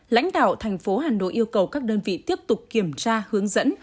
lãnh đạo thành phố hà nội yêu cầu các đơn vị tiếp tục kiểm tra hướng dẫn